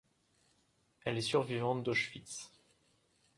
Elle est survivante d'Auschwitz.